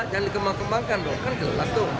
jangan dikembang kembangkan itu kan jelas